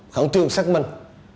khẩn trương xác minh